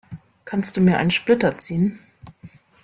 Kannst du mir einen Splitter ziehen?